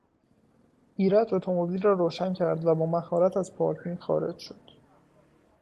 ایرج اتومبیل را روشن کرد و با مهارت از پارکینگ خارج شد.